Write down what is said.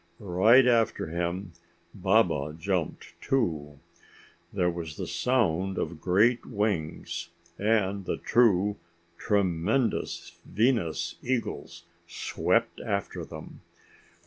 Right after him, Baba jumped, too. There was the sound of great wings, and the two tremendous Venus eagles swept after them.